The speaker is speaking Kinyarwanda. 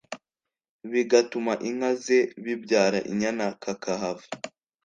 bigatuma inka ze bibyara inyana kakahava.